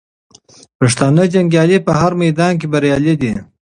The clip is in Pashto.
پښتانه جنګیالي په هر میدان کې بریالي دي.